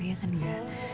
ya kan ya